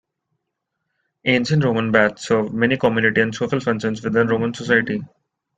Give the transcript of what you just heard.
Ancient Roman baths served many community and social functions within Roman society.